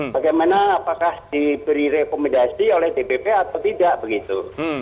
bagaimana apakah diberi rekomendasi oleh dpp atau tidak begitu